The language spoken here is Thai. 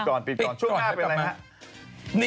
เออเข้าใจได้